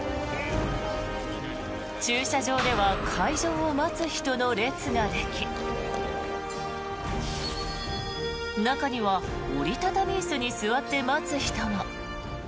駐車場では開場を待つ人の列ができ中には折りたたみ椅子に座って待つ人も。